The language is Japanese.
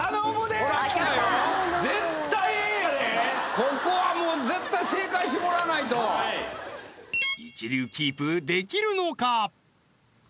ここはもう絶対正解してもらわないと一流キープできるのか？